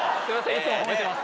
いつも褒めてます。